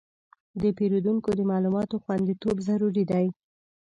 د پیرودونکو د معلوماتو خوندیتوب ضروري دی.